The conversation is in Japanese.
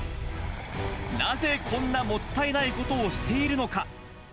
なぜこんなもったいないことをしているのか。